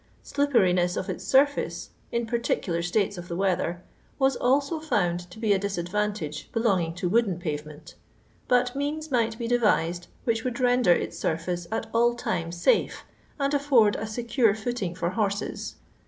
Slipperiness of its snr&ce, in particular states of the weather, was also found to be a disadyantage belonging to wooden payement ; but means might be devised which would render its surfiue at all timet safe, and afford a secure footing for horses.